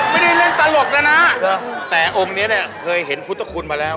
ไม่ได้เล่นตลกแล้วนะแต่องค์นี้เนี่ยเคยเห็นพุทธคุณมาแล้ว